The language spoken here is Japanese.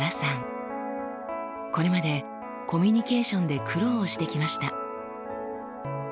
これまでコミュニケーションで苦労をしてきました。